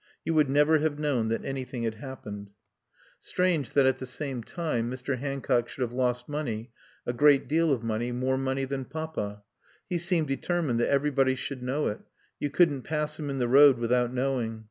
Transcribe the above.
You would never have known that anything had happened. Strange that at the same time Mr. Hancock should have lost money, a great deal of money, more money than Papa. He seemed determined that everybody should know it; you couldn't pass him in the road without knowing.